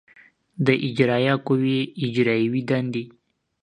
د اجرایه قوې اجرایوې دندې